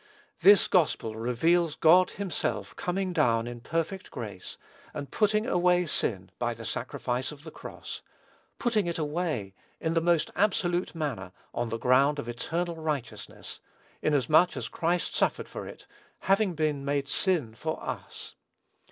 This gospel reveals God himself coming down in perfect grace, and putting away sin by the sacrifice of the cross; putting it away, in the most absolute manner, on the ground of eternal righteousness, inasmuch as Christ suffered for it, having been made sin for us.